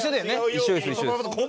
一緒です一緒です。